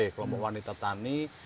kelompok wanita tani